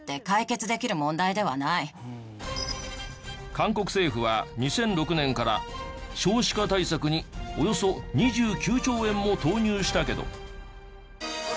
韓国政府は２００６年から少子化対策におよそ２９兆円も投入したけど。